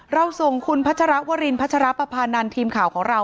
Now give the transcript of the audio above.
เราส่งคุณพัชรวรินพัชรปภานันทีมข่าวของเรา